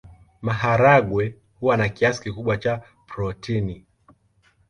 Maharagwe huwa na kiasi kikubwa cha protini.